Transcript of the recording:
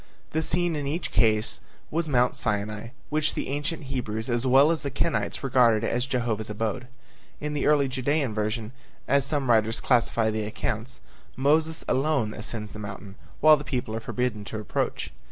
The scene in each case was Mount Sinai, which the ancient Hebrews as well as the Kenites regarded as Jehovah's abode. In the early Judean version, as some writers classify the accounts, Moses alone ascends the mountain, while the people are forbidden to approach.